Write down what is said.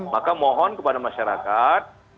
maka mohon kepada masyarakat